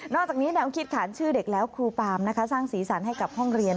อกจากนี้แนวคิดขานชื่อเด็กแล้วครูปามสร้างสีสันให้กับห้องเรียน